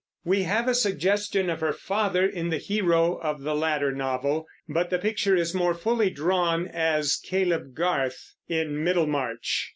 We have a suggestion of her father in the hero of the latter novel, but the picture is more fully drawn as Caleb Garth, in Middlemarch.